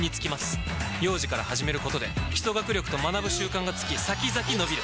幼児から始めることで基礎学力と学ぶ習慣がつき先々のびる！